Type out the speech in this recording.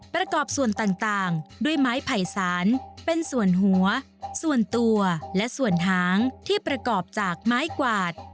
ประกอบส่วนต่างด้วยไม้ไผ่สารเป็นส่วนหัวส่วนตัวและส่วนหางที่ประกอบจากไม้กวาด